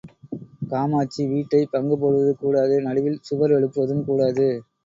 காமாட்சி வீட்டைப் பங்குபோடுவது கூடாது நடுவில் சுவர் எழுப்புவதும் கூடாது.